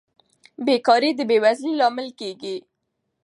بېکاري د بې وزلۍ لامل کیږي.